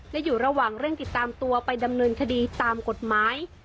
และอยู่ระหว่างเร่งติดตามตัวไปดำเนินคดีตามกฎหมาย